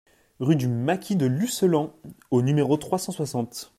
Rue du Maquis de Lucelans au numéro trois cent soixante